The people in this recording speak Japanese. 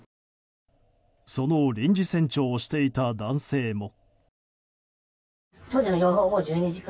その臨時船長をしていた男性も。